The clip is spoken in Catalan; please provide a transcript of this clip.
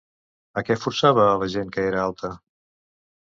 A què forçava a la gent que era alta?